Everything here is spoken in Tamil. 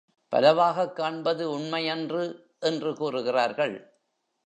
பலவாகக் காண்பது உண்மை அன்று என்று கூறுகிறார்கள்.